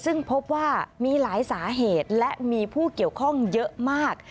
ซึ่งพบว่ามีหลายสาเหตุและมีผู้เกี่ยวข้องเยอะมาก